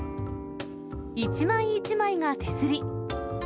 一枚一枚が手刷り。